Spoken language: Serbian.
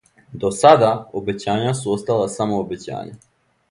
До сада, обећања су остала само обећања.